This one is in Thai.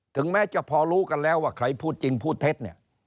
ถึงแม้จะพอรู้กันแล้วว่าใครพูดจริงพูดเท็จเนี่ย